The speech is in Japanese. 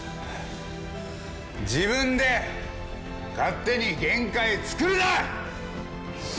自分で勝手に限界作るな！